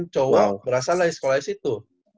enam puluh cowok berasal dari sekolah situ